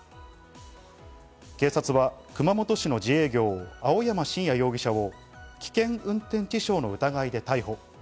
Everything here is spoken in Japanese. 警察は熊本市の自営業・青山真也容疑者を危険運転致傷の疑いで逮捕。